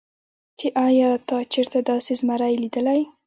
چې ايا تا چرته داسې زمرے ليدلے